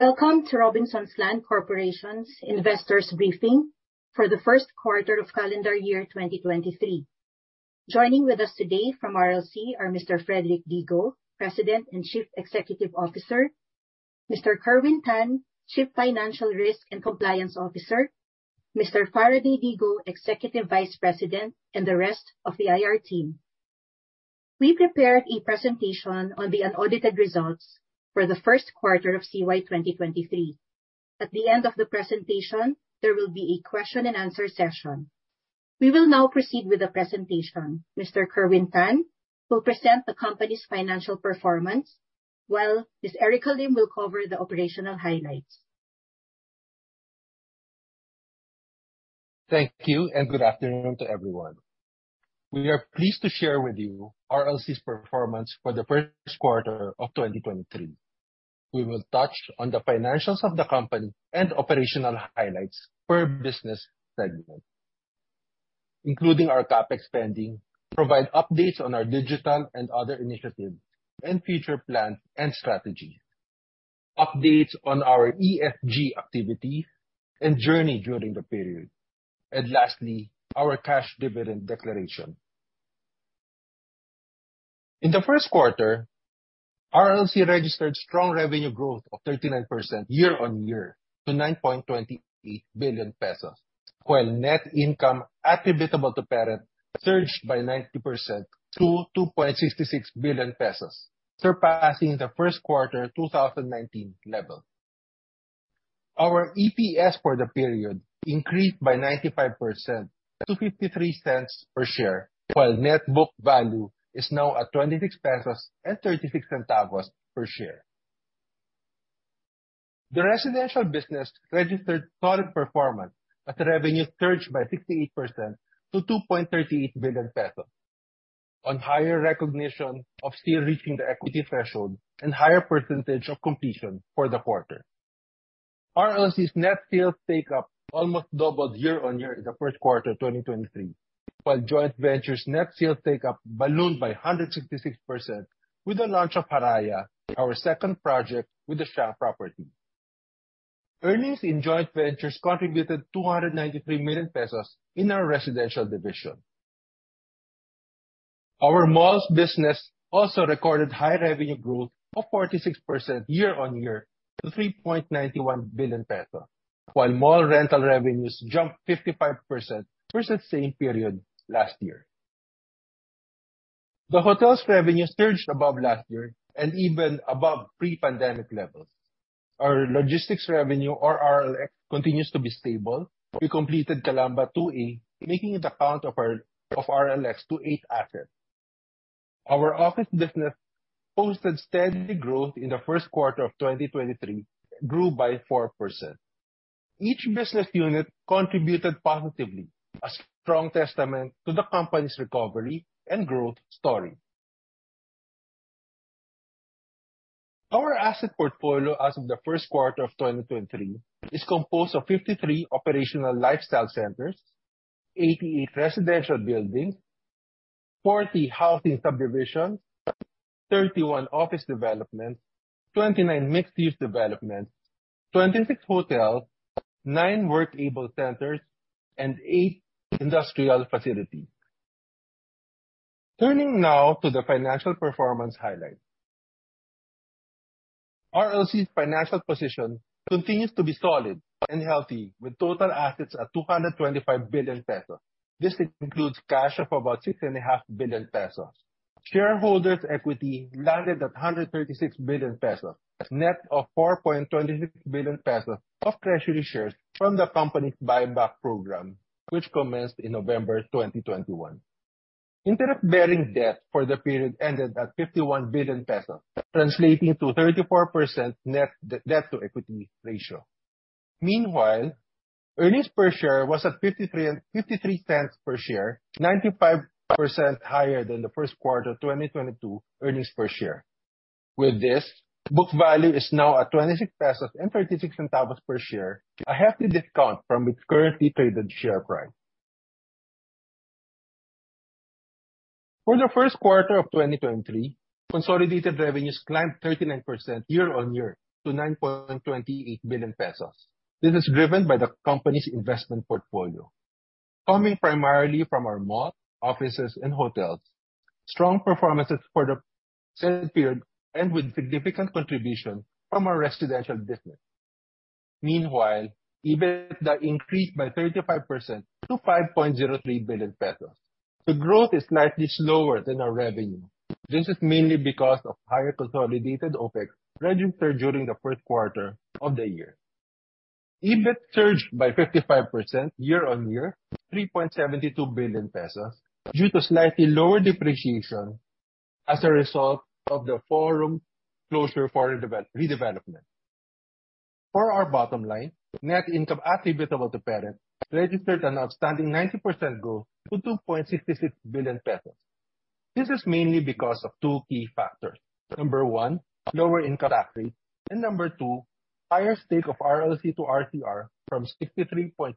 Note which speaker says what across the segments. Speaker 1: Welcome to Robinsons Land Corporation's Investors' Briefing for the first quarter of calendar year 2023. Joining with us today from RLC are Mr. Frederick D. Go, President and Chief Executive Officer, Mr. Kerwin Tan, Chief Financial Officer, Chief Risk Officer and Compliance Officer, Mr. Faraday D. Go, Executive Vice President, and the rest of the IR team. We prepared a presentation on the unaudited results for the first quarter of CY 2023. At the end of the presentation, there will be a question-and-answer session. We will now proceed with the presentation. Mr. Kerwin Tan will present the company's financial performance, while Miss Erica Lim will cover the operational highlights.
Speaker 2: Thank you, and good afternoon to everyone. We are pleased to share with you RLC's performance for the first quarter of 2023. We will touch on the financials of the company and operational highlights per business segment, including our CapEx spending, provide updates on our digital and other initiatives, and future plans and strategy, updates on our ESG activity and journey during the period, and lastly, our cash dividend declaration. In the first quarter, RLC registered strong revenue growth of 39% year-on-year to 9.28 billion pesos, while net income attributable to parent surged by 90% to 2.66 billion pesos, surpassing the first quarter 2019 level. Our EPS for the period increased by 95% to 0.53 per share, while net book value is now at 26.36 pesos per share. The residential business registered solid performance as revenues surged by 68% to 2.38 billion pesos, on higher recognition of steel reaching the equity threshold and higher percentage of completion for the quarter. RLC's net sales take-up almost doubled year-on-year in the first quarter 2023, while joint ventures net sales take-up ballooned by 166% with the launch of Haraya, our second project with Shang Properties. Earnings in joint ventures contributed 293 million pesos in our residential division. Our malls business also recorded high revenue growth of 46% year-on-year to 3.91 billion pesos, while mall rental revenues jumped 55% versus same period last year. The hotel's revenues surged above last year and even above pre-pandemic levels. Our logistics revenue, or RLX, continues to be stable. We completed Calamba 2A, making it the count of RLX to eight assets. Our office business posted steady growth in the first quarter of 2023, grew by 4%. Each business unit contributed positively, a strong testament to the company's recovery and growth story. Our asset portfolio as of the first quarter of 2023 is composed of 53 operational lifestyle centers, 88 residential buildings, 40 housing subdivisions, 31 office developments, 29 mixed-use developments, 26 hotels, nine work.able centers, and eight industrial facilities. Turning now to the financial performance highlight. RLC's financial position continues to be solid and healthy, with total assets at 225 billion pesos. This includes cash of about 6.5 billion pesos. Shareholders' equity landed at 136 billion pesos, net of 4.26 billion pesos of treasury shares from the company's buyback program, which commenced in November 2021. Interest-bearing debt for the period ended at 51 billion pesos, translating to 34% net debt-to-equity ratio. Meanwhile, earnings per share was at 0.53, 95% higher than the first quarter 2022 earnings per share. With this, book value is now at 26.36 pesos per share, a hefty discount from its currently traded share price. For the first quarter of 2023, consolidated revenues climbed 39% year-on-year to 9.28 billion pesos. This is driven by the company's investment portfolio, coming primarily from our malls, offices, and hotels with strong performances for the said period and significant contribution from our residential business. Meanwhile, EBITDA increased by 35% to 5.03 billion pesos. The growth is slightly slower than our revenue. This is mainly because of higher consolidated OPEX registered during the first quarter of the year. EBIT surged by 55% year-on-year to 3.72 billion pesos, due to slightly lower depreciation as a result of the Forum closure for redevelopment. For our bottom line, net income attributable to parent registered an outstanding 90% growth to 2.66 billion pesos. This is mainly because of two key factors. Number one, lower income tax rate. Number two, higher stake of RLC in RCR from 63.49%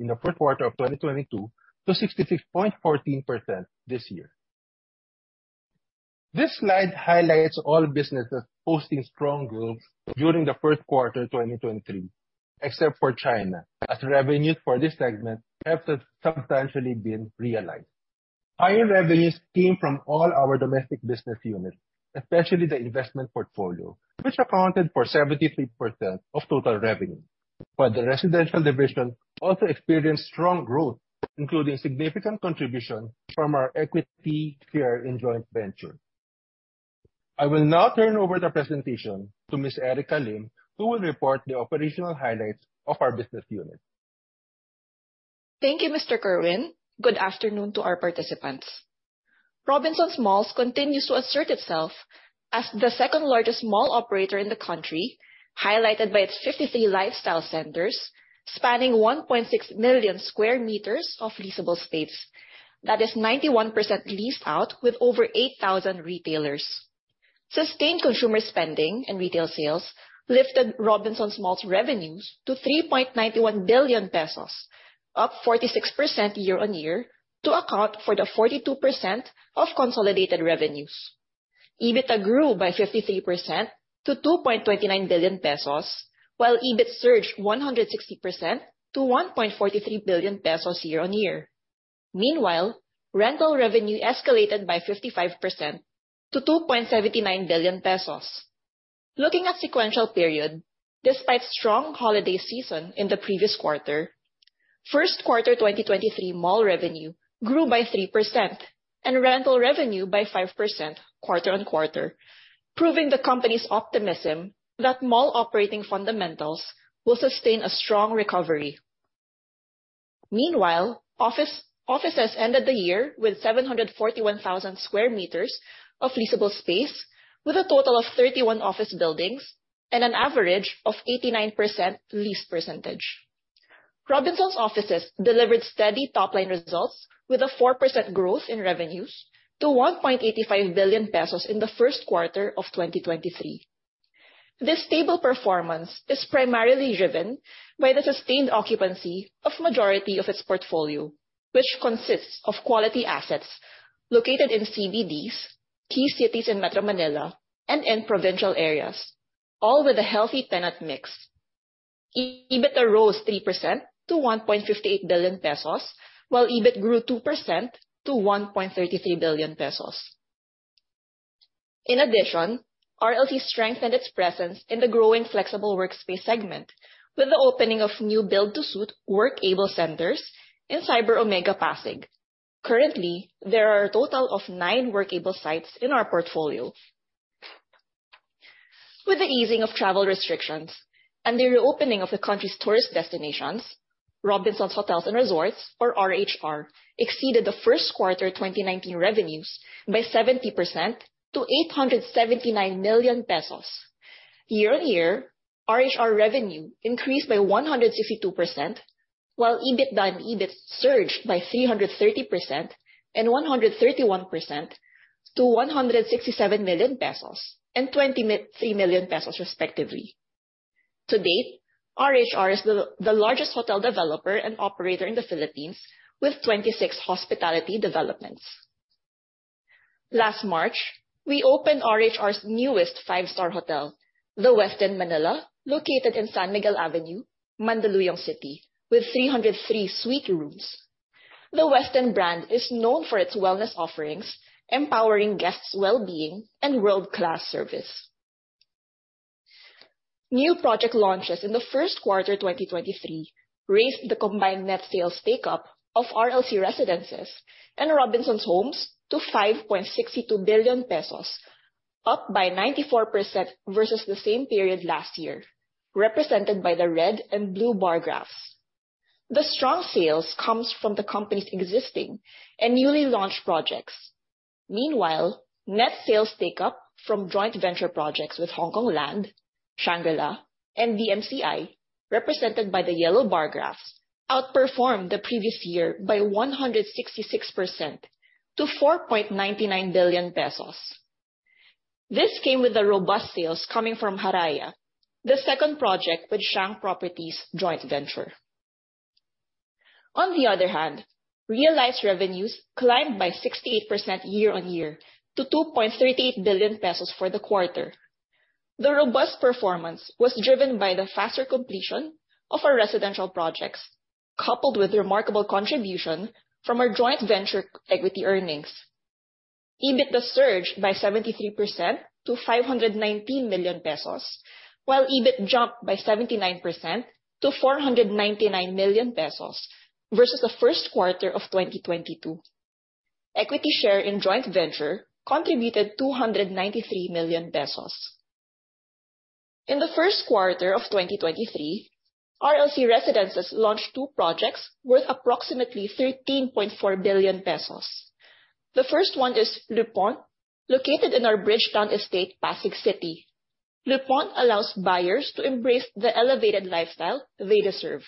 Speaker 2: in the fourth quarter of 2022 to 66.14% this year. This slide highlights all businesses posting strong growth during the first quarter 2023, except for China, as revenues for this segment have substantially been realized. Higher revenues came from all our domestic business units, especially the investment portfolio, which accounted for 73% of total revenue. While the residential division also experienced strong growth, including significant contribution from our equity share in joint venture. I will now turn over the presentation to Ms. Erica Lim, who will report the operational highlights of our business units.
Speaker 3: Thank you, Mr. Kerwin. Good afternoon to our participants. Robinsons Malls continues to assert itself as the second-largest mall operator in the country, highlighted by its 53 lifestyle centers, spanning 1.6 million sq m of leasable space. That is 91% leased out with over 8,000 retailers. Sustained consumer spending and retail sales lifted Robinsons Malls revenues to 3.91 billion pesos, up 46% year-on-year, to account for the 42% of consolidated revenues. EBITDA grew by 53% to 2.29 billion pesos, while EBIT surged 160% to 1.43 billion pesos year-on-year. Meanwhile, rental revenue escalated by 55% to 2.79 billion pesos. Looking at sequential period, despite strong holiday season in the previous quarter, first quarter 2023 mall revenue grew by 3% and rental revenue by 5% quarter-on-quarter, proving the company's optimism that mall operating fundamentals will sustain a strong recovery. Meanwhile, Offices ended the year with 741,000 sq m of leasable space with a total of 31 office buildings and an average of 89% lease percentage. Robinsons Offices delivered steady top-line results with a 4% growth in revenues to 1.85 billion pesos in the first quarter of 2023. This stable performance is primarily driven by the sustained occupancy of majority of its portfolio, which consists of quality assets located in CBDs, key cities in Metro Manila and in provincial areas, all with a healthy tenant mix. EBITDA rose 3% to 1.58 billion pesos, while EBIT grew 2% to 1.33 billion pesos. In addition, RLC strengthened its presence in the growing flexible workspace segment with the opening of new build-to-suit work.able centers in Cyberscape Gamma, Pasig. Currently, there are a total of nine work.able sites in our portfolio. With the easing of travel restrictions and the reopening of the country's tourist destinations, Robinsons Hotels and Resorts, or RHR, exceeded the first quarter 2019 revenues by 70% to 879 million pesos. Year-on-year, RHR revenue increased by 152%, while EBIT and EBITDA surged by 330% and 131% to 167 million pesos and 23 million pesos, respectively. To date, RHR is the largest hotel developer and operator in the Philippines with 26 hospitality developments. Last March, we opened RHR's newest five-star hotel, The Westin Manila, located in San Miguel Avenue, Mandaluyong City, with 303 suite rooms. The Westin brand is known for its wellness offerings, empowering guests' well-being and world-class service. New project launches in the first quarter 2023 raised the combined net sales take-up of RLC Residences and Robinsons Homes to 5.62 billion pesos, up by 94% versus the same period last year, represented by the red and blue bar graphs. The strong sales comes from the company's existing and newly launched projects. Meanwhile, net sales take-up from joint venture projects with Hongkong Land, Shangri-La, and DMCI, represented by the yellow bar graphs, outperformed the previous year by 166% to 4.99 billion pesos. This came with the robust sales coming from Haraya, the second project with Shang Properties joint venture. On the other hand, realized revenues climbed by 68% year-on-year to 2.38 billion pesos for the quarter. The robust performance was driven by the faster completion of our residential projects, coupled with remarkable contribution from our joint venture equity earnings. EBITDA surged by 73% to 519 million pesos, while EBIT jumped by 79% to 499 million pesos versus the first quarter of 2022. Equity share in joint venture contributed 293 million pesos. In the first quarter of 2023, RLC Residences launched two projects worth approximately 13.4 billion pesos. The first one is Le Pont, located in our Bridgetowne estate, Pasig City. Le Pont allows buyers to embrace the elevated lifestyle they deserve.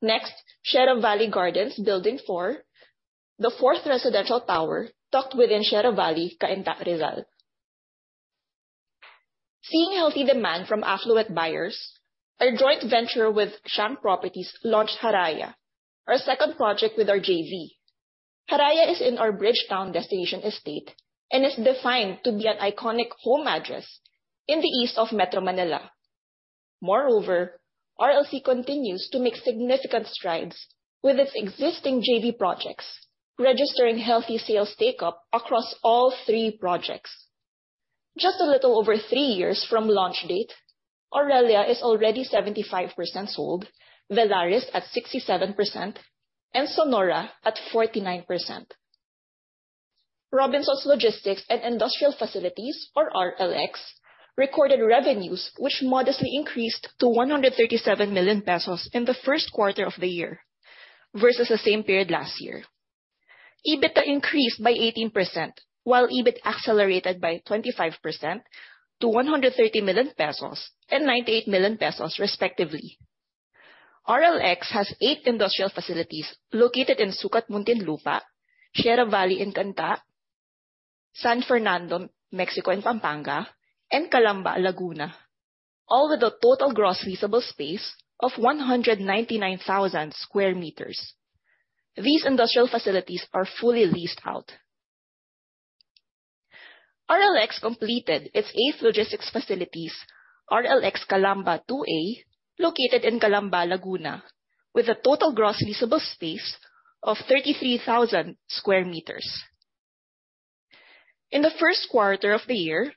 Speaker 3: Next, Sierra Valley Gardens Building 4, the fourth residential tower tucked within Sierra Valley, Cainta, Rizal. Seeing healthy demand from affluent buyers, our joint venture with Shang Properties launched Haraya, our second project with our JV. Haraya is in our Bridgetowne Destination Estate and is destined to be an iconic home address in the east of Metro Manila. Moreover, RLC continues to make significant strides with its existing JV projects, registering healthy sales take-up across all three projects. Just a little over three years from launch date, Aurelia is already 75% sold, Velaris at 67%, and Sonora at 49%. Robinsons Logistix and Industrials, or RLX, recorded revenues which modestly increased to 137 million pesos in the first quarter of the year versus the same period last year. EBITDA increased by 18%, while EBIT accelerated by 25% to 130 million pesos and 98 million pesos, respectively. RLX has eight industrial facilities located in Sucat, Muntinlupa, Sierra Valley in Cainta, San Fernando, Mexico in Pampanga, and Calamba, Laguna, all with a total gross leasable space of 199,000 sq m. These industrial facilities are fully leased out. RLX completed its eighth logistics facilities, RLX Calamba 2A, located in Calamba, Laguna, with a total gross leasable space of 33,000 sq m. In the first quarter of the year,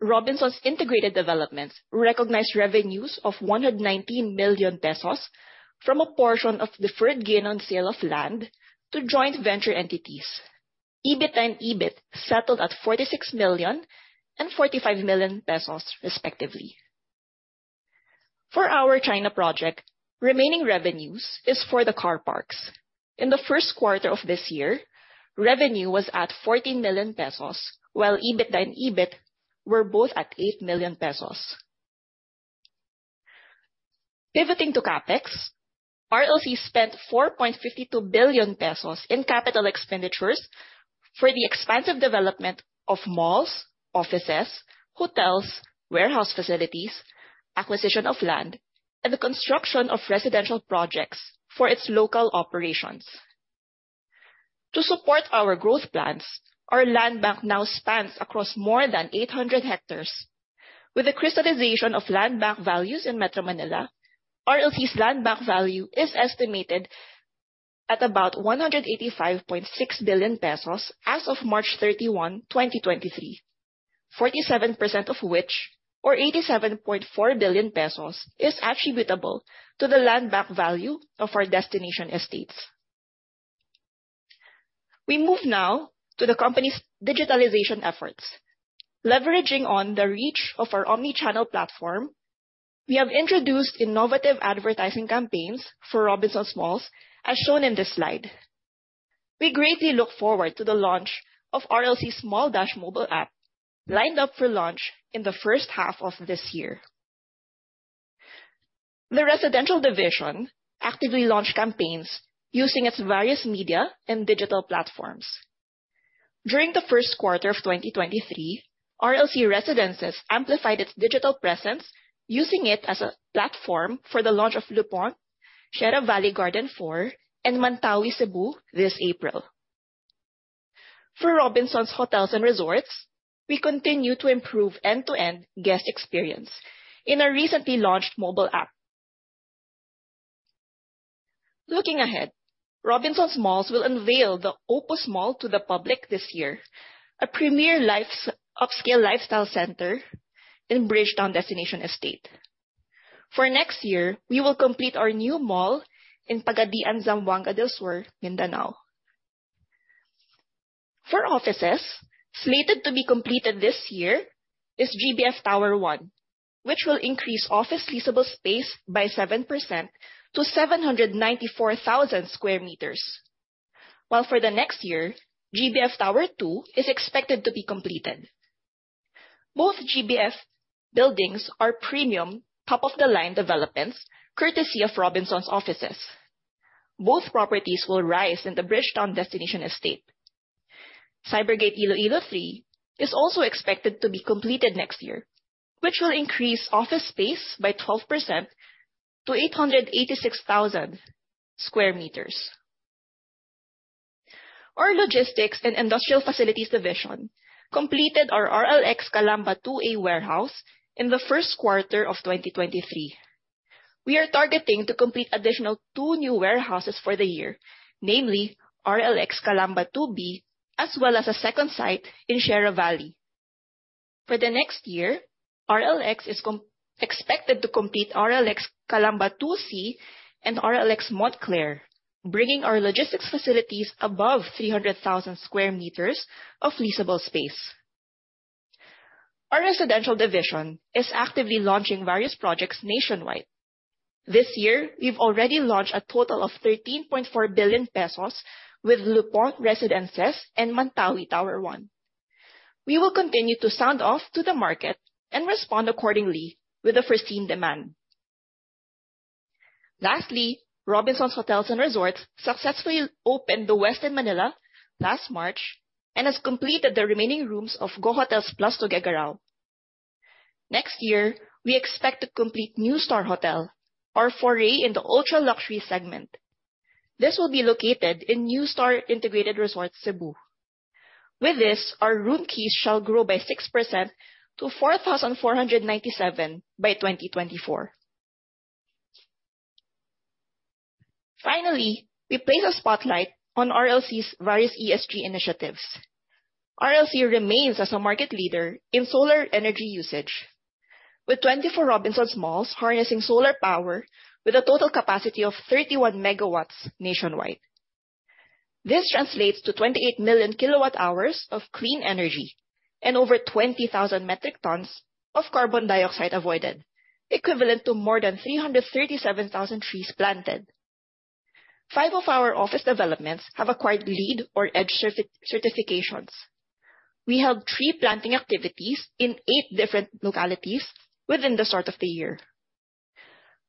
Speaker 3: Robinsons Integrated Developments recognized revenues of 119 million pesos from a portion of deferred gain on sale of land to joint venture entities. EBITDA and EBIT settled at 46 million and 45 million pesos, respectively. For our China project, remaining revenues is for the car parks. In the first quarter of this year, revenue was at 14 million pesos, while EBITDA and EBIT were both at 8 million pesos. Pivoting to CapEx, RLC spent 4.52 billion pesos in capital expenditures for the expansive development of malls, offices, hotels, warehouse facilities, acquisition of land, and the construction of residential projects for its local operations. To support our growth plans, our land bank now spans across more than 800 hectares. With the crystallization of land bank values in Metro Manila, RLC's land bank value is estimated at about 185.6 billion pesos as of March 31, 2023, 47% of which, or 87.4 billion pesos, is attributable to the land bank value of our destination estates. We move now to the company's digitalization efforts. Leveraging on the reach of our omni-channel platform, we have introduced innovative advertising campaigns for Robinsons Malls, as shown in this slide. We greatly look forward to the launch of RLC's MallDash mobile app, lined up for launch in the first half of this year. The residential division actively launched campaigns using its various media and digital platforms. During the first quarter of 2023, RLC Residences amplified its digital presence, using it as a platform for the launch of Le Pont, Sierra Valley Gardens Building 4, and Mantawi Residences, Cebu, this April. For Robinsons Hotels and Resorts, we continue to improve end-to-end guest experience in our recently launched mobile app. Looking ahead, Robinsons Malls will unveil the Opus Mall to the public this year, a premier upscale lifestyle center in Bridgetowne Destination Estate. For next year, we will complete our new mall in Pagadian Zamboanga del Sur, Mindanao. For offices, slated to be completed this year is GBF Tower 1, which will increase office leasable space by 7% to 794,000 sq m, while for the next year, GBF Tower 2 is expected to be completed. Both GBF buildings are premium top-of-the-line developments, courtesy of Robinsons Offices. Both properties will rise in the Bridgetowne Destination Estate. Cybergate Iloilo 3 is also expected to be completed next year, which will increase office space by 12% to 886,000 sq m. Our logistics and industrial facilities division completed our RLX Calamba 2A warehouse in the first quarter of 2023. We are targeting to complete additional two new warehouses for the year, namely RLX Calamba 2B, as well as a second site in Sierra Valley. For the next year, RLX is expected to complete RLX Calamba 2C and RLX Montclair, bringing our logistics facilities above 300,000 sq m of leasable space. Our residential division is actively launching various projects nationwide. This year, we've already launched a total of 13.4 billion pesos with Le Pont Residences and Mantawi Tower 1. We will continue to sound off to the market and respond accordingly with the foreseen demand. Lastly, Robinsons Hotels and Resorts successfully opened The Westin Manila last March and has completed the remaining rooms of Go Hotels Plus Tuguegarao. Next year, we expect to complete NUSTAR Hotel, our foray in the ultra-luxury segment. This will be located in NUSTAR Resort and Casino, Cebu. With this, our rooms shall grow by 6% to 4,497 by 2024. Finally, we place a spotlight on RLC's various ESG initiatives. RLC remains as a market leader in solar energy usage, with 24 Robinsons Malls harnessing solar power with a total capacity of 31 MW nationwide. This translates to 28 million kWh of clean energy and over 20,000 metric tons of carbon dioxide avoided, equivalent to more than 337,000 trees planted. Five of our office developments have acquired LEED or EDGE certifications. We held tree planting activities in eight different localities at the start of the year.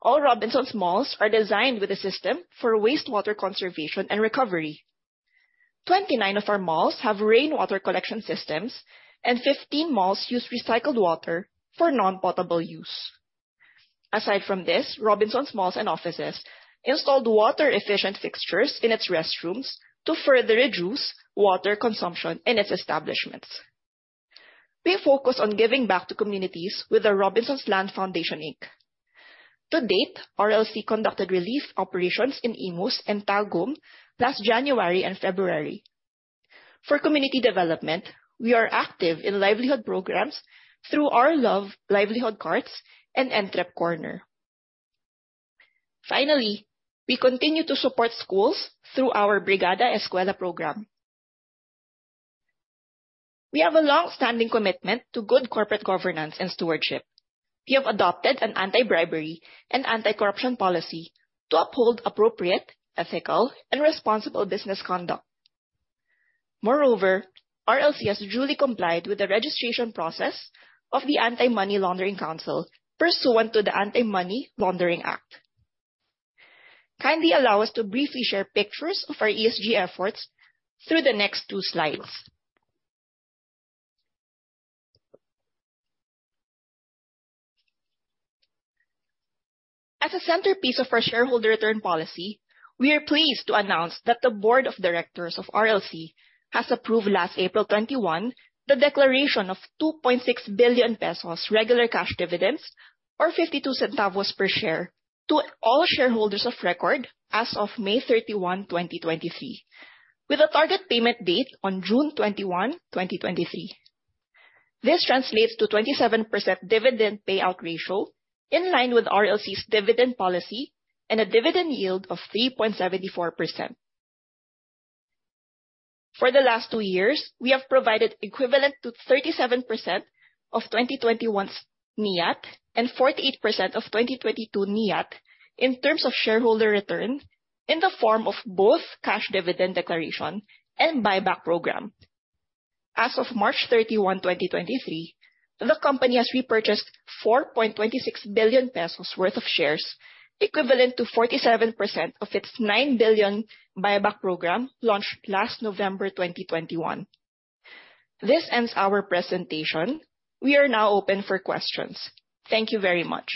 Speaker 3: All Robinsons Malls are designed with a system for wastewater conservation and recovery. 29 of our malls have rainwater collection systems, and 15 malls use recycled water for non-potable use. Aside from this, Robinsons Malls and Offices installed water-efficient fixtures in its restrooms to further reduce water consumption in its establishments. We focus on giving back to communities with the Robinsons Land Foundation, Inc. To date, RLC conducted relief operations in Imus and Tagum last January and February. For community development, we are active in livelihood programs through our RLove livelihood carts and Entrep Corner. Finally, we continue to support schools through our Brigada Eskwela program. We have a long-standing commitment to good corporate governance and stewardship. We have adopted an anti-bribery and anti-corruption policy to uphold appropriate, ethical, and responsible business conduct. Moreover, RLC has duly complied with the registration process of the Anti-Money Laundering Council pursuant to the Anti-Money Laundering Act. Kindly allow us to briefly share pictures of our ESG efforts through the next two slides. As a centerpiece of our shareholder return policy, we are pleased to announce that the board of directors of RLC has approved last April 21, the declaration of 2.6 billion pesos regular cash dividends or 0.52 per share to all shareholders of record as of May 31, 2023, with a target payment date on June 21, 2023. This translates to 27% dividend payout ratio in line with RLC's dividend policy and a dividend yield of 3.74%. For the last two years, we have provided equivalent to 37% of 2021's NIAT and 48% of 2022 NIAT in terms of shareholder return in the form of both cash dividend declaration and buyback program. As of March 31, 2023, the company has repurchased 4.26 billion pesos worth of shares, equivalent to 47% of its 9 billion buyback program launched last November 2021. This ends our presentation. We are now open for questions. Thank you very much.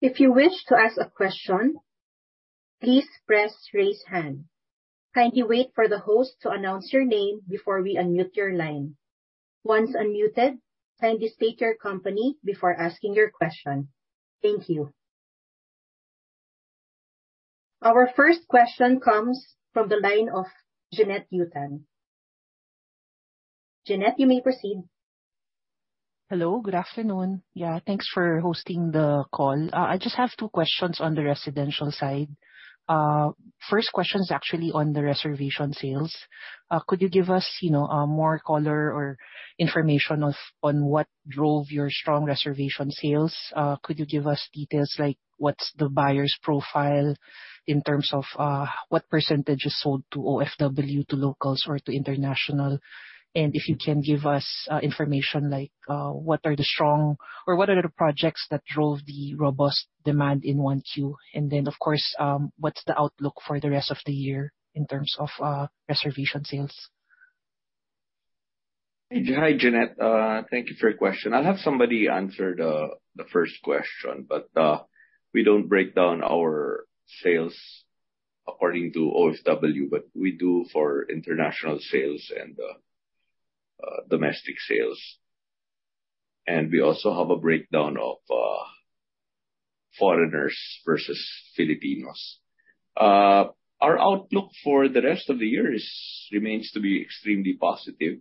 Speaker 1: If you wish to ask a question, please raise hand. Kindly wait for the host to announce your name before we unmute your line. Once unmuted, kindly state your company before asking your question. Thank you. Our first question comes from the line of Jeanette Yutan. Jeanette, you may proceed.
Speaker 4: Hello. Good afternoon. Thanks for hosting the call. I just have two questions on the residential side. First question is actually on the reservation sales. Could you give us more color or information on what drove your strong reservation sales? Could you give us details like what's the buyer's profile in terms of what percentage is sold to OFW, to locals, or to international? And if you can give us information like what are the projects that drove the robust demand in 1Q? And then, of course, what's the outlook for the rest of the year in terms of reservation sales?
Speaker 5: Hi, Jeanette. Thank you for your question. I'll have somebody answer the first question, but we don't break down our sales according to OFW, but we do for international sales and domestic sales. We also have a breakdown of foreigners versus Filipinos. Our outlook for the rest of the year remains to be extremely positive.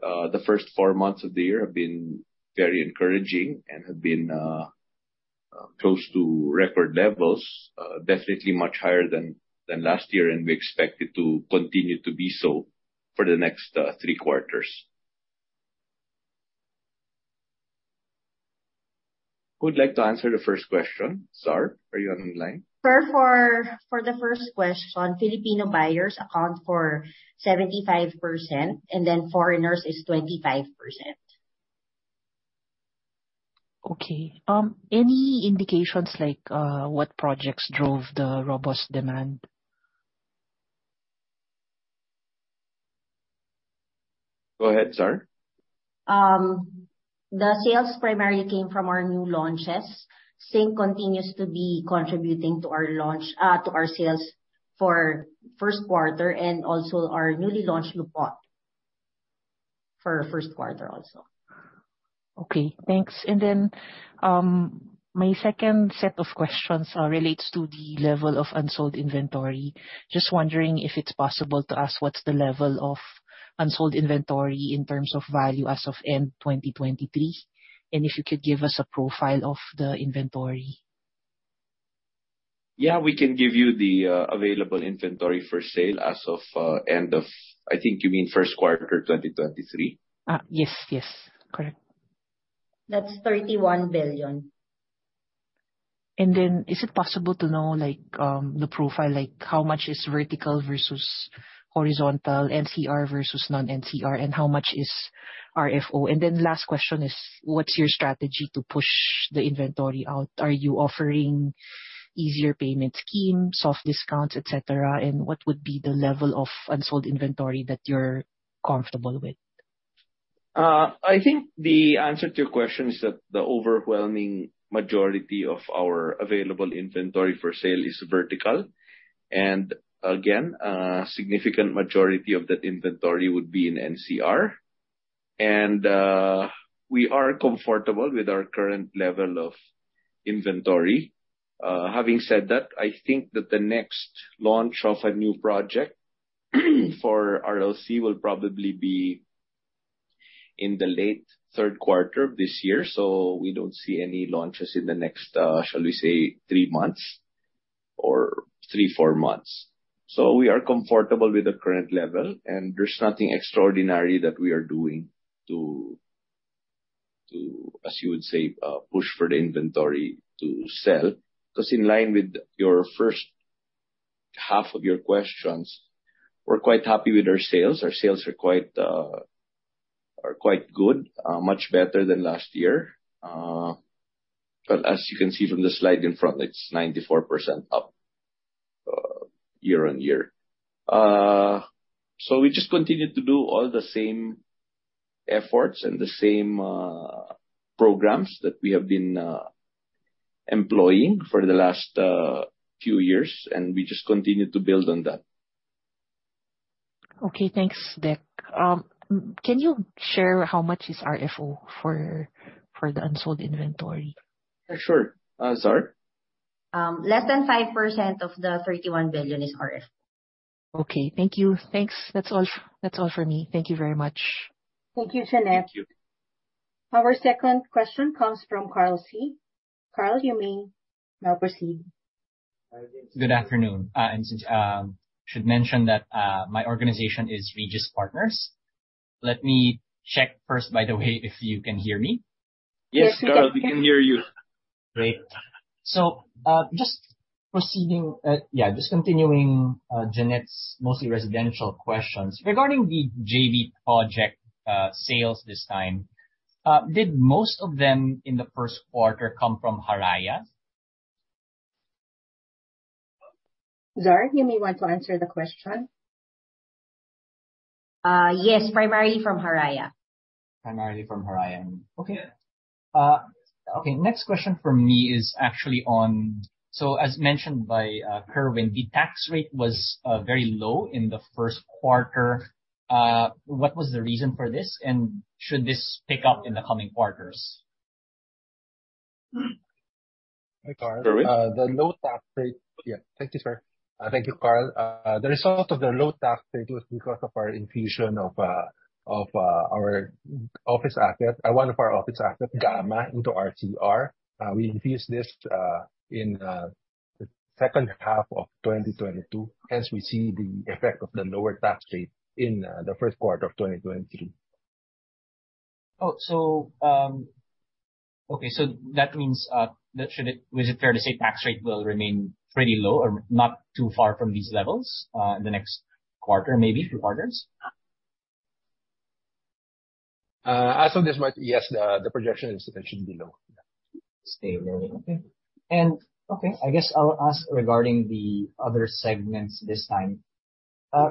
Speaker 5: The first four months of the year have been very encouraging and have been close to record levels, definitely much higher than last year, and we expect it to continue to be so for the next three quarters. Who would like to answer the first question? Czar, are you online?
Speaker 6: Sir, for the first question, Filipino buyers account for 75%, and then foreigners is 25%.
Speaker 4: Okay. Any indications like what projects drove the robust demand?
Speaker 5: Go ahead, Czar.
Speaker 6: The sales primarily came from our new launches. Sync continues to be contributing to our sales for first quarter and also our newly launched Le Pont for first quarter also.
Speaker 4: Okay, thanks. My second set of questions relates to the level of unsold inventory. Just wondering if it's possible to ask what's the level of unsold inventory in terms of value as of end 2023, and if you could give us a profile of the inventory.
Speaker 5: We can give you the available inventory for sale as of end of, you mean first quarter 2023.
Speaker 4: Yes. Correct.
Speaker 6: That's 31 billion.
Speaker 4: Is it possible to know the profile, like how much is vertical versus horizontal, NCR versus non-NCR, and how much is RFO? Last question is, what's your strategy to push the inventory out? Are you offering easier payment scheme, soft discounts, et cetera, and what would be the level of unsold inventory that you're comfortable with?
Speaker 5: I think the answer to your question is that the overwhelming majority of our available inventory for sale is vertical. Again, a significant majority of that inventory would be in NCR. We are comfortable with our current level of inventory. Having said that, I think that the next launch of a new project for RLC will probably be in the late third quarter of this year, so we don't see any launches in the next, shall we say, three months or three, four months. We are comfortable with the current level, and there's nothing extraordinary that we are doing to, as you would say, push for the inventory to sell. Because in line with your first half of your questions, we're quite happy with our sales. Our sales are quite good, much better than last year. As you can see from the slide in front, it's 94% up year-on-year. We just continued to do all the same efforts and the same programs that we have been employing for the last few years, and we just continued to build on that.
Speaker 4: Okay. Thanks, Dek. Can you share how much is RFO for the unsold inventory?
Speaker 5: Sure. Czar?
Speaker 6: Less than 5% of the 31 billion is RFO.
Speaker 4: Okay. Thank you. Thanks. That's all from me. Thank you very much.
Speaker 1: Thank you, Jeanette.
Speaker 5: Thank you.
Speaker 1: Our second question comes from Carl Sy. Carl, you may now proceed.
Speaker 7: Good afternoon. I should mention that my organization is Regis Partner. Let me check first, by the way, if you can hear me?
Speaker 5: Yes, Carl, we can hear you.
Speaker 7: Great. Just continuing Jeanette's mostly residential questions, regarding the JV project sales this time, did most of them in the first quarter come from Haraya?
Speaker 3: Czar, you may want to answer the question.
Speaker 6: Yes, primarily from Haraya.
Speaker 7: Primarily from Haraya. Okay. Next question from me is actually on, so as mentioned by Kerwin, the tax rate was very low in the first quarter. What was the reason for this, and should this pick up in the coming quarters?
Speaker 5: Kerwin?
Speaker 2: Hi, Carl. Thank you, Carl. The result of the low tax rate was because of our infusion of one of our office assets, Gamma, into RCR. We infused this in the second half of 2022. Hence, we see the effect of the lower tax rate in the first quarter of 2023.
Speaker 7: Okay. That means, is it fair to say tax rate will remain pretty low or not too far from these levels, in the next quarter, maybe two quarters?
Speaker 5: As of this month, yes, the projection is that it should be low.
Speaker 7: Stable. Okay. I guess I'll ask regarding the other segments this time.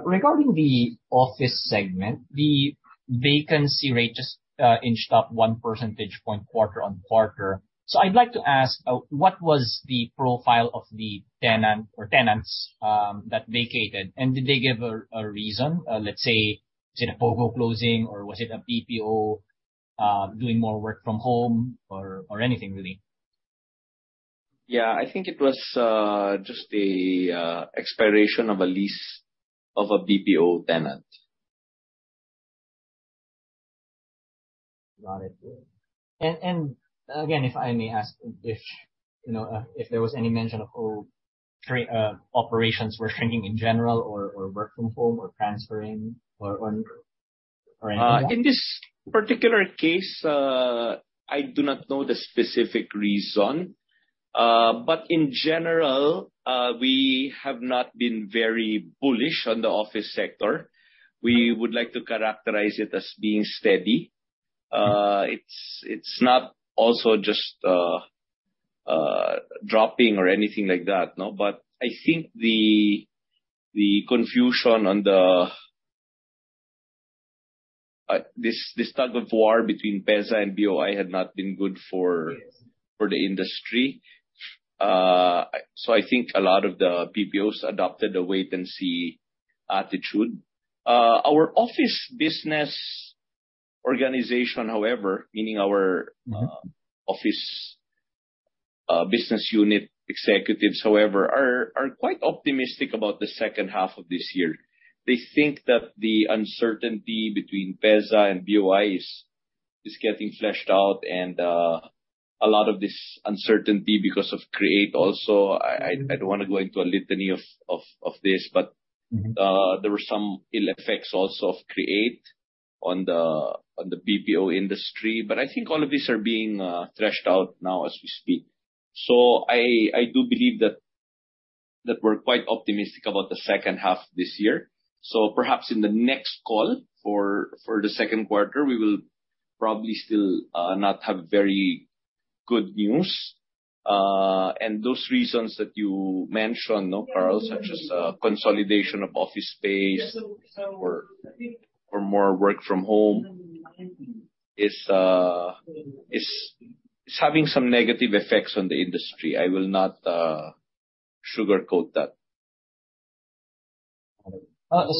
Speaker 7: Regarding the office segment, the vacancy rate just inched up 1 percentage point quarter-on-quarter. I'd like to ask, what was the profile of the tenant or tenants that vacated, and did they give a reason? Let's say, was it a POGO closing or was it a BPO doing more work from home or anything, really?
Speaker 5: Yeah, I think it was just the expiration of a lease of a BPO tenant.
Speaker 7: Got it. Again, if I may ask if there was any mention of operations were shrinking in general or work from home or transferring or anything like that?
Speaker 5: In this particular case, I do not know the specific reason. In general, we have not been very bullish on the office sector. We would like to characterize it as being steady. It's not also just dropping or anything like that. I think the confusion on this tug-of-war between PEZA and BOI had not been good for the industry. I think a lot of the BPOs adopted a wait-and-see attitude. Our office business organization, however, meaning our office business unit executives, are quite optimistic about the second half of this year. They think that the uncertainty between PEZA and BOI is getting fleshed out, and a lot of this uncertainty because of CREATE also. I don't want to go into a litany of this, but there were some ill effects also of CREATE on the BPO industry. I think all of these are being thrashed out now as we speak. I do believe that we're quite optimistic about the second half this year. Perhaps in the next call for the second quarter, we will probably still not have very good news. Those reasons that you mentioned, Carl, such as consolidation of office space or more work from home, is having some negative effects on the industry. I will not sugarcoat that.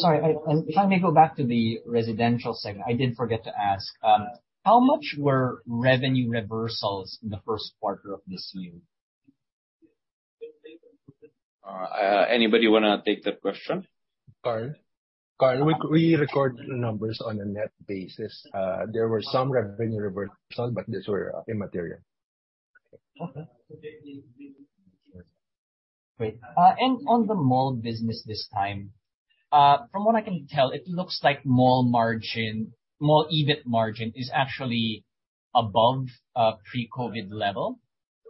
Speaker 7: Sorry. If I may go back to the residential segment, I did forget to ask, how much were revenue reversals in the first quarter of this year?
Speaker 5: Anybody want to take that question?
Speaker 2: Carl, we record numbers on a net basis. There were some revenue reversals, but these were immaterial.
Speaker 7: Okay. Great. On the mall business this time, from what I can tell, it looks like mall EBIT margin is actually above pre-COVID level,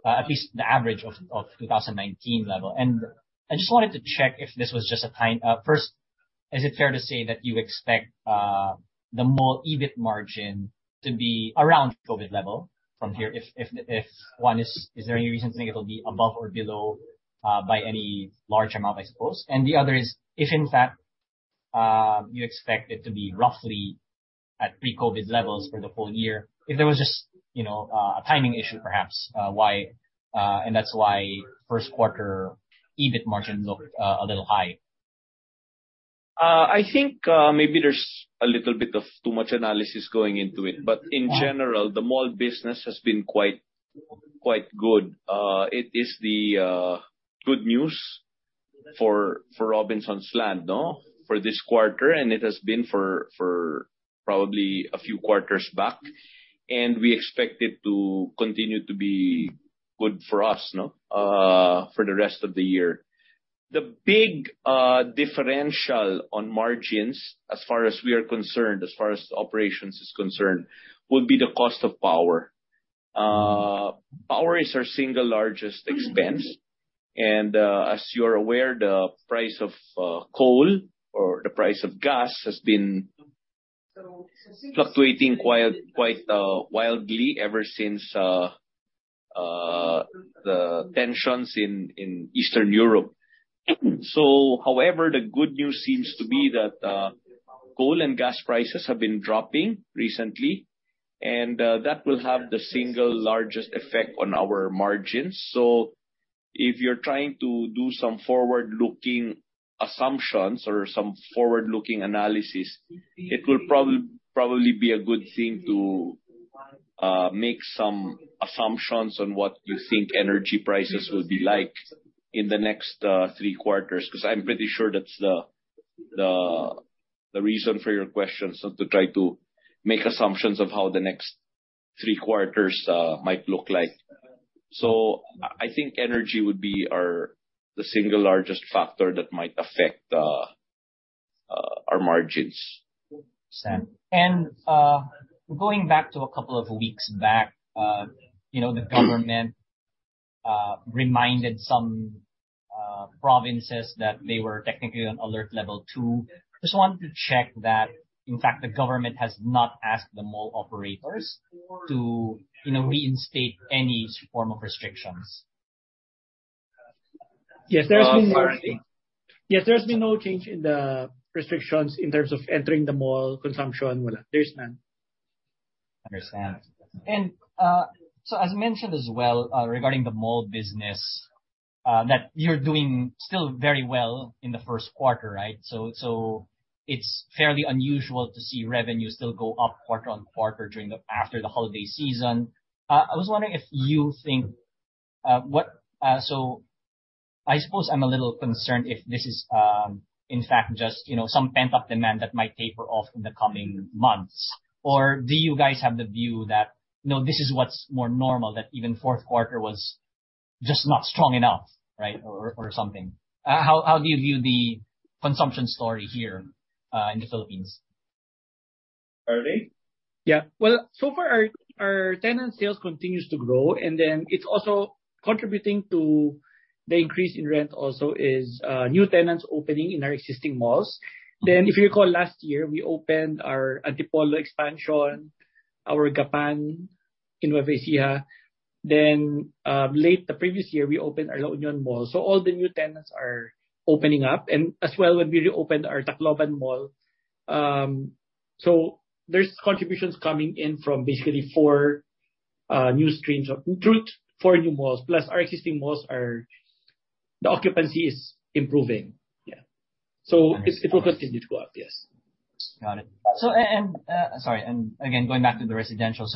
Speaker 7: at least the average of 2019 level. I just wanted to check. First, is it fair to say that you expect the mall EBIT margin to be around pre-COVID level from here? Is there any reason to think it'll be above or below by any large amount, I suppose? The other is, if in fact you expect it to be roughly at pre-COVID levels for the full year, if there was just a timing issue perhaps, and that's why first quarter EBIT margins looked a little high.
Speaker 5: I think maybe there's a little bit of too much analysis going into it. In general, the mall business has been quite good. It is the good news for Robinsons Land for this quarter, and it has been for probably a few quarters back, and we expect it to continue to be good for us for the rest of the year. The big differential on margins, as far as we are concerned, as far as operations is concerned, will be the cost of power. Power is our single largest expense, and as you are aware, the price of coal or the price of gas has been fluctuating quite wildly ever since the tensions in Eastern Europe. However, the good news seems to be that coal and gas prices have been dropping recently, and that will have the single largest effect on our margins. If you're trying to do some forward-looking assumptions or some forward-looking analysis, it will probably be a good thing to make some assumptions on what you think energy prices will be like in the next three quarters, because I'm pretty sure that's the reason for your question. To try to make assumptions of how the next three quarters might look like. I think energy would be the single largest factor that might affect our margins.
Speaker 7: Going back to a couple of weeks back, the government reminded some provinces that they were technically on alert level two. Just wanted to check that, in fact, the government has not asked the mall operators to reinstate any form of restrictions.
Speaker 2: Yes. There's been no change in the restrictions in terms of entering the mall, consumption. There's none.
Speaker 7: Understand. As mentioned as well regarding the mall business, that you're doing still very well in the first quarter, right? It's fairly unusual to see revenue still go up quarter-on-quarter after the holiday season. I suppose I'm a little concerned if this is, in fact, just some pent-up demand that might taper off in the coming months. Or do you guys have the view that, no, this is what's more normal, that even fourth quarter was just not strong enough or something? How do you view the consumption story here in the Philippines? Are they?
Speaker 5: Yeah. Well, so far our tenant sales continues to grow, and then it's also contributing to the increase in rent. Also, new tenants opening in our existing malls. If you recall, last year we opened our Antipolo expansion, our Gapan in Nueva Ecija. Late the previous year, we opened our La Union mall. All the new tenants are opening up. As well, when we opened our Tacloban mall. There's contributions coming in from basically four new streams of four new malls, plus our existing malls, the occupancy is improving. Yeah. It will continue to go up. Yes.
Speaker 7: Got it. Sorry. Again, going back to the residential.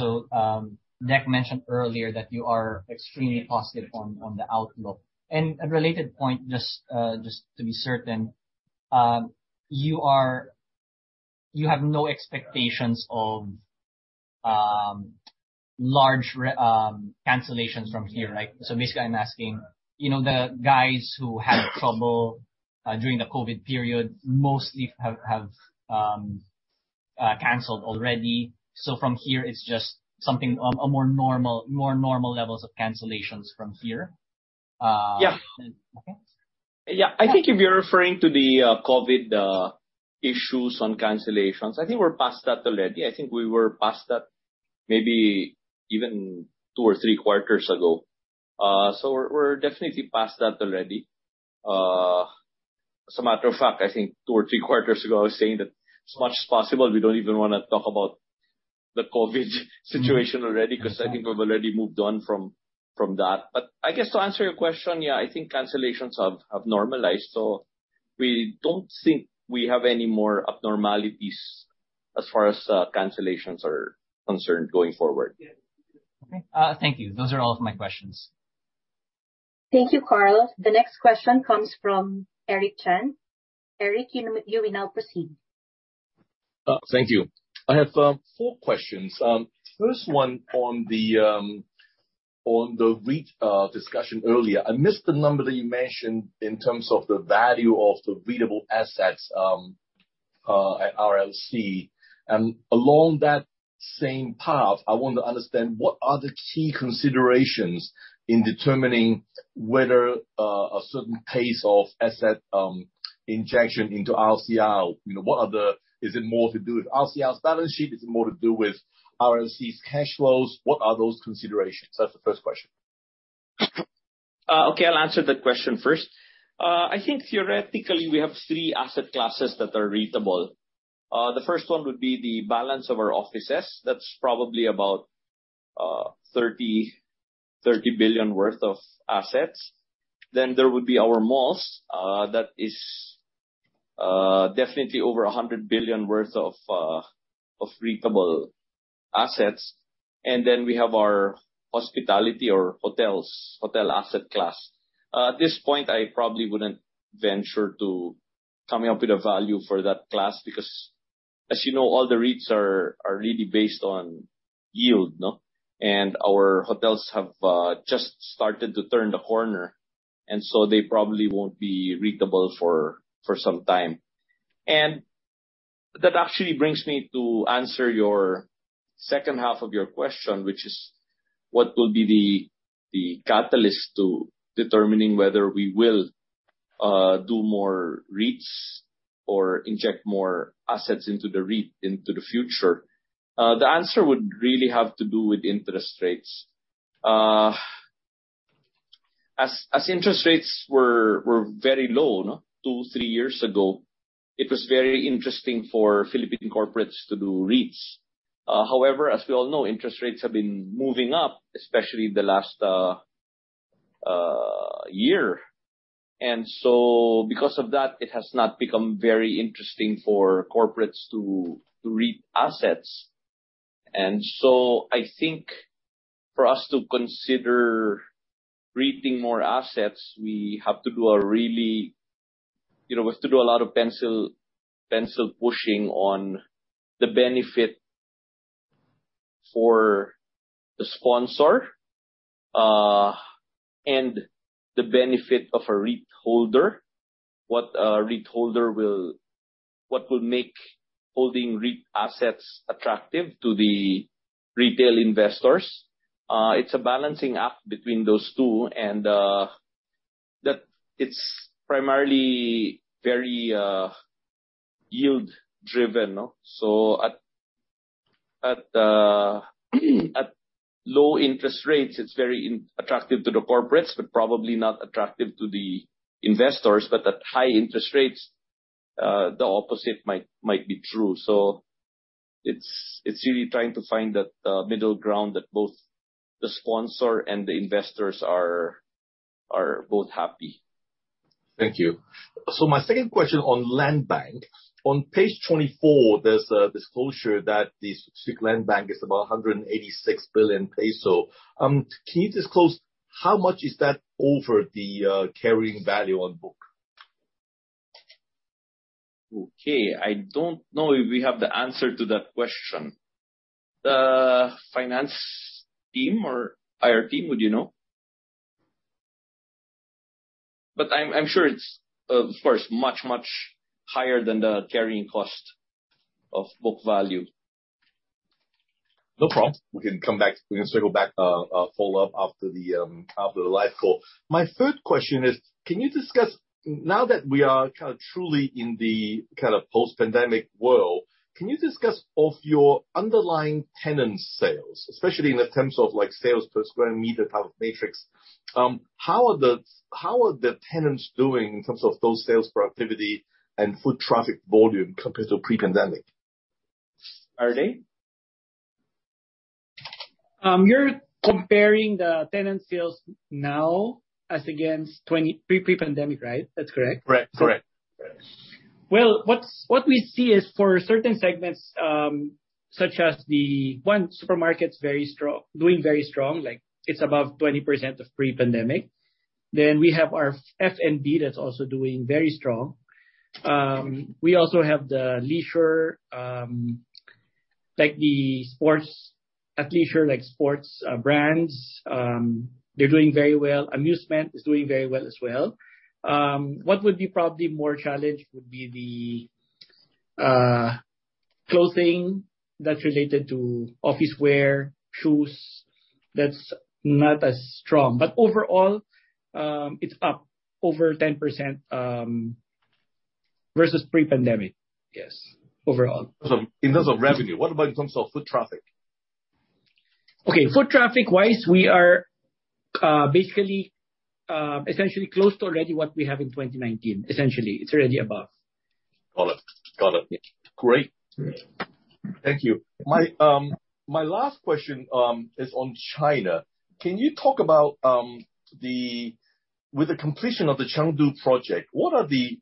Speaker 7: Deck mentioned earlier that you are extremely positive on the outlook. A related point, just to be certain, you have no expectations of large cancellations from here, right? Basically, I'm asking, the guys who had trouble during the COVID period mostly have canceled already. From here, it's just more normal levels of cancellations from here?
Speaker 5: Yeah. I think if you're referring to the COVID issues on cancellations, I think we're past that already. I think we were past that maybe even two or three quarters ago. We're definitely past that already. As a matter of fact, I think two or three quarters ago, I was saying that as much as possible, we don't even want to talk about the COVID situation already, because I think we've already moved on from that. I guess to answer your question, yeah, I think cancellations have normalized, so we don't think we have any more abnormalities as far as cancellations are concerned going forward.
Speaker 7: Okay. Thank you. Those are all of my questions.
Speaker 1: Thank you, Carl. The next question comes from Eric Chan. Eric, you may now proceed.
Speaker 8: Thank you. I have four questions. First one on the REIT discussion earlier. I missed the number that you mentioned in terms of the value of the REIT-able assets, at RLC. Along that same path, I want to understand what are the key considerations in determining whether a certain case of asset injection into RLC. Is it more to do with RLC's balance sheet? Is it more to do with RLC's cash flows? What are those considerations? That's the first question.
Speaker 5: Okay, I'll answer that question first. I think theoretically, we have three asset classes that are REIT-able. The first one would be the balance of our offices. That's probably about 30 billion worth of assets. There would be our malls, that is definitely over 100 billion worth of REIT-able assets. We have our hospitality or hotels, hotel asset class. At this point, I probably wouldn't venture to coming up with a value for that class because, as you know, all the REITs are really based on yield, and our hotels have just started to turn the corner, and so they probably won't be REIT-able for some time. That actually brings me to answer your second half of your question, which is what will be the catalyst to determining whether we will do more REITs or inject more assets into the REIT into the future? The answer would really have to do with interest rates. As interest rates were very low two, three years ago, it was very interesting for Philippine corporates to do REITs. However, as we all know, interest rates have been moving up, especially the last year. Because of that, it has not become very interesting for corporates to REIT assets. I think for us to consider REITing more assets, we have to do a lot of pencil pushing on the benefit for the sponsor, and the benefit of a REIT holder. What will make holding REIT assets attractive to the retail investors? It's a balancing act between those two, and it's primarily very yield-driven. At low interest rates, it's very attractive to the corporates, but probably not attractive to the investors. At high interest rates, the opposite might be true. It's really trying to find that middle ground that both the sponsor and the investors are both happy.
Speaker 8: Thank you. My second question on Land Bank. On page 24, there's a disclosure that this Land Bank is about 186 billion peso. Can you disclose how much is that over the carrying value on book?
Speaker 5: Okay. I don't know if we have the answer to that question. Finance team or IR team, would you know? I'm sure it's, of course, much, much higher than the carrying cost of book value.
Speaker 8: No problem. We can circle back, follow up after the live call. My third question is, now that we are truly in the post-pandemic world, can you discuss your underlying tenant sales, especially in terms of sales per square meter type of metrics? How are the tenants doing in terms of those sales productivity and foot traffic volume compared to pre-pandemic?
Speaker 5: Ardy?
Speaker 9: You're comparing the tenant sales now as against pre-pandemic, right? That's correct?
Speaker 8: Right. Correct.
Speaker 9: Well, what we see is for certain segments, such as the one, supermarket's doing very strong. It's above 20% of pre-pandemic. We have our F&B that's also doing very strong. We also have the leisure, like the athletes who are like sports brands, they're doing very well. Amusement is doing very well as well. What would be probably more challenged would be the clothing that's related to office wear, shoes, that's not as strong. Overall, it's up over 10% versus pre-pandemic. Yes, overall.
Speaker 8: In terms of revenue. What about in terms of foot traffic?
Speaker 9: Okay. Foot traffic-wise, we are basically, essentially close to already what we have in 2019, essentially. It's already above.
Speaker 8: Got it. Great. Thank you. My last question is on China. Can you talk about, with the completion of the Chengdu project, what are the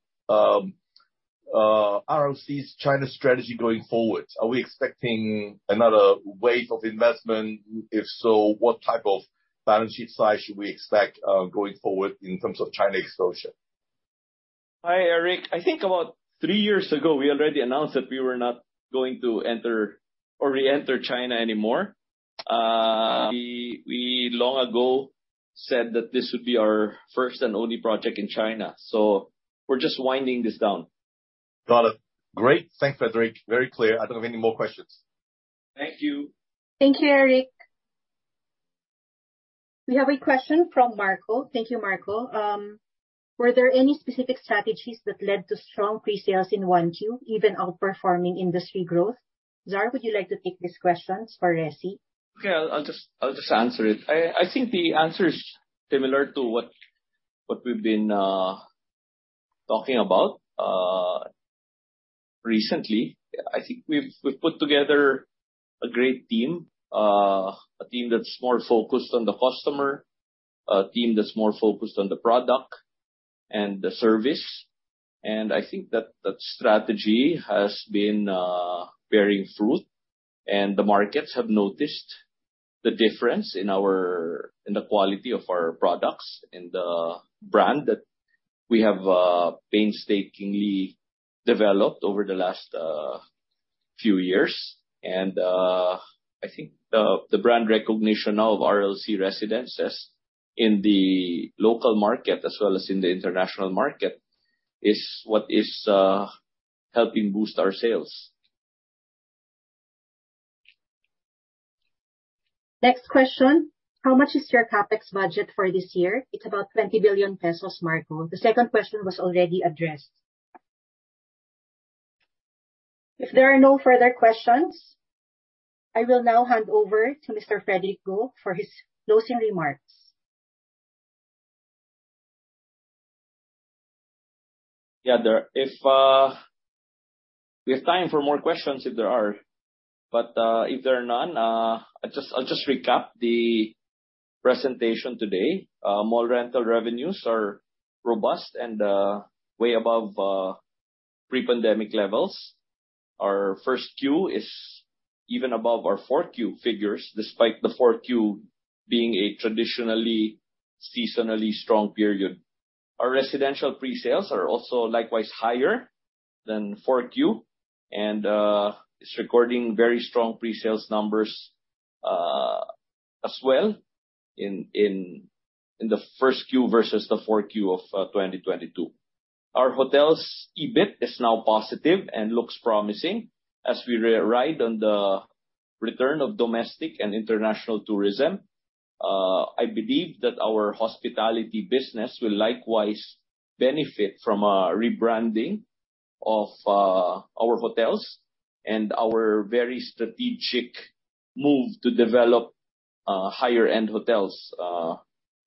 Speaker 8: RLC's China strategy going forward? Are we expecting another wave of investment? If so, what type of balance sheet size should we expect going forward in terms of China exposure?
Speaker 5: Hi, Eric. I think about three years ago, we already announced that we were not going to enter or reenter China anymore. We long ago said that this would be our first and only project in China. We're just winding this down.
Speaker 8: Got it. Great. Thanks, Frederick. Very clear. I don't have any more questions.
Speaker 5: Thank you.
Speaker 3: Thank you, Eric. We have a question from Marco. Thank you, Marco. Were there any specific strategies that led to strong pre-sales in 1Q, even outperforming industry growth? Czar, would you like to take this question for Resi?
Speaker 5: Okay, I'll just answer it. I think the answer is similar to what we've been talking about recently. I think we've put together a great team. A team that's more focused on the customer, a team that's more focused on the product and the service. I think that strategy has been bearing fruit, and the markets have noticed the difference in the quality of our products and the brand that we have painstakingly developed over the last few years. I think the brand recognition now of RLC Residences in the local market as well as in the international market is what is helping boost our sales.
Speaker 1: Next question. How much is your CapEx budget for this year? It's about 20 billion pesos, Marco. The second question was already addressed. If there are no further questions, I will now hand over to Mr. Frederick Go for his closing remarks.
Speaker 5: Yeah. We have time for more questions if there are, but if there are none, I'll just recap the presentation today. Mall rental revenues are robust and way above pre-pandemic levels. Our Q1 is even above our Q4 figures, despite the Q4 being a traditionally, seasonally strong period. Our residential pre-sales are also likewise higher than Q4, and it's recording very strong pre-sales numbers as well in the Q1 versus the Q4 of 2022. Our hotel's EBIT is now positive and looks promising as we ride on the return of domestic and international tourism. I believe that our hospitality business will likewise benefit from a rebranding of our hotels and our very strategic move to develop higher-end hotels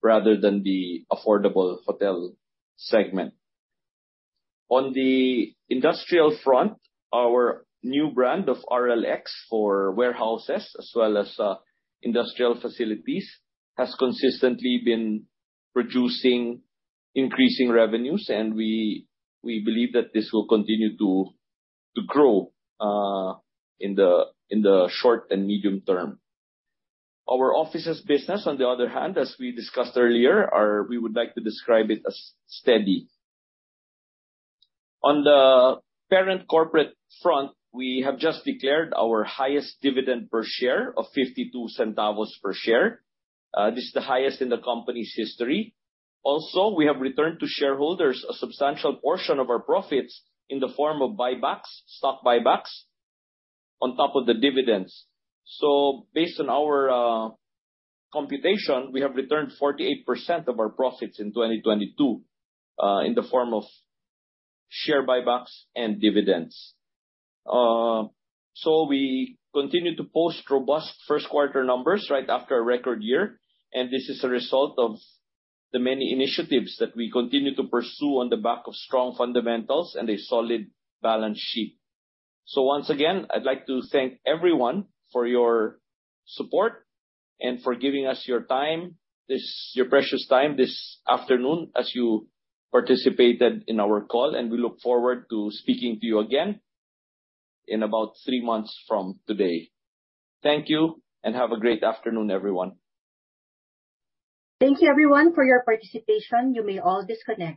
Speaker 5: rather than the affordable hotel segment. On the industrial front, our new brand of RLX for warehouses as well as industrial facilities has consistently been producing increasing revenues, and we believe that this will continue to grow in the short and medium-term. Our offices business, on the other hand, as we discussed earlier, we would like to describe it as steady. On the parent corporate front, we have just declared our highest dividend per share of 0.52 per share. This is the highest in the company's history. Also, we have returned to shareholders a substantial portion of our profits in the form of buybacks, stock buybacks, on top of the dividends. Based on our computation, we have returned 48% of our profits in 2022, in the form of share buybacks and dividends. We continue to post robust first quarter numbers right after a record year, and this is a result of the many initiatives that we continue to pursue on the back of strong fundamentals and a solid balance sheet. Once again, I'd like to thank everyone for your support and for giving us your time, your precious time this afternoon as you participated in our call, and we look forward to speaking to you again in about three months from today. Thank you, and have a great afternoon, everyone.
Speaker 1: Thank you, everyone, for your participation. You may all disconnect.